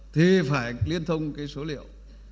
thì phải liên thông cái số liệu